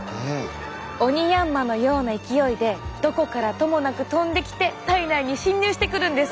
オニヤンマのような勢いでどこからともなく飛んできて体内に侵入してくるんです。